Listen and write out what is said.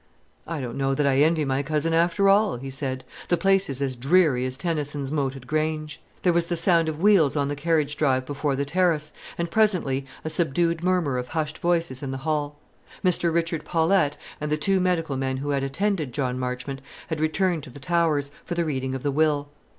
"I don't know that I envy my cousin, after all," he said: "the place is as dreary as Tennyson's Moated Grange." There was the sound of wheels on the carriage drive before the terrace, and presently a subdued murmur of hushed voices in the hall. Mr. Richard Paulette, and the two medical men who had attended John Marchmont, had returned to the Towers, for the reading of the will.